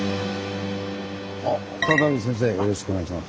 あっ再び先生よろしくお願いします。